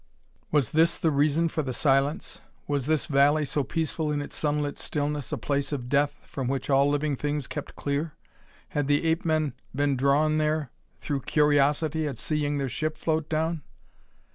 Was this the reason for the silence? Was this valley, so peaceful in its sunlit stillness, a place of death, from which all living things kept clear? Had the ape men been drawn there through curiosity at seeing their ship float down?